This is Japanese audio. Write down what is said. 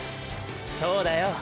そうだよ。